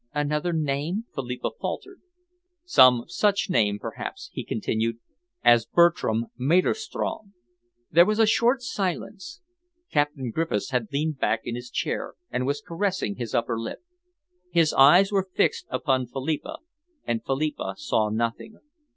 "Another name?" Philippa faltered. "Some such name, perhaps," he continued, "as Bertram Maderstrom." There was a short silence. Captain Griffiths had leaned back in his chair and was caressing his upper lip. His eyes were fixed upon Philippa and Philippa saw nothing.